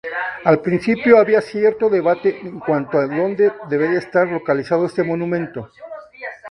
Al principio había cierto debate en cuanto a dónde debería estar localizado este monumento.